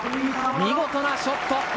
見事なショット。